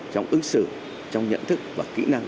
trong ứng xử trong nhận thức và kĩ năng